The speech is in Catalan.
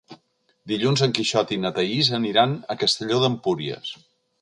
Dilluns en Quixot i na Thaís aniran a Castelló d'Empúries.